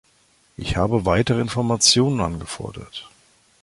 Ich habe weitere Informationen angefordert.